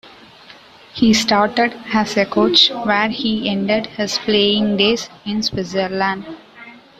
He started as a coach where he ended his playing days—in Switzerland.